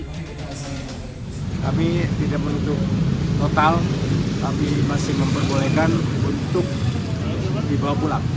kami tidak menutup total tapi masih memperbolehkan untuk dibawa pulang